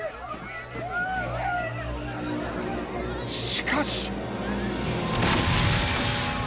しかし。